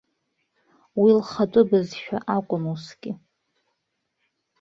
Уи лхатәы бызшәа акәын усгьы.